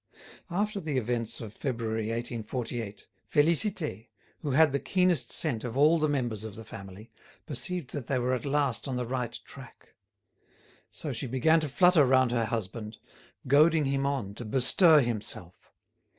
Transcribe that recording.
After the events of February 1848, Félicité, who had the keenest scent of all the members of the family, perceived that they were at last on the right track. So she began to flutter round her husband, goading him on to bestir himself.